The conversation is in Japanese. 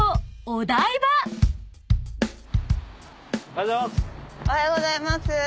おはようございます。